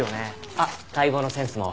あっ解剖のセンスも。